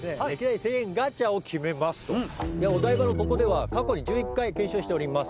「お台場のここでは過去に１１回検証しております」